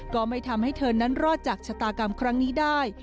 ก็ไม่ทำให้เธอนั้นรอดจากชะตากรรมครั้งนี้ได้